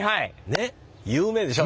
ねっ有名でしょ？